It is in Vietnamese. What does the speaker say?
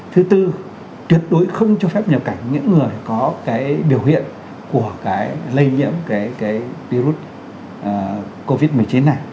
thứ tư tuyệt đối không cho phép nhập cảnh những người có cái biểu hiện của cái lây nhiễm cái virus covid một mươi chín này